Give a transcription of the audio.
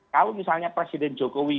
kalau misalnya presiden jokowi